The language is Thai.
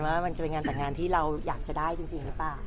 ว่ามันจะเป็นงานแต่งงานที่เราอยากจะได้จริงหรือเปล่า